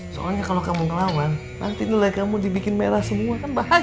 soalnya kalau kamu ngelawan nanti nilai kamu dibikin merah semua kan bahaya